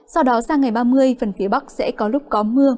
sau đó sang ngày ba mươi phần phía bắc sẽ có lúc có mưa